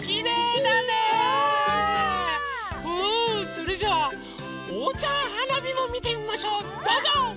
それじゃおうちゃんはなびもみてみましょうどうぞ！